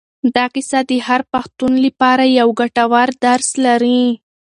دا کیسه د هر پښتون لپاره یو ګټور درس لري.